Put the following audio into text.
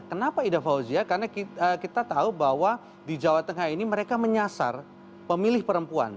kenapa ida fauzia karena kita tahu bahwa di jawa tengah ini mereka menyasar pemilih perempuan